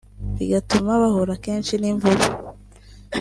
bigatuma bahura kenshi n’imvubu